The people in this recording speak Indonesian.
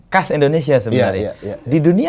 khas indonesia sebenarnya di dunia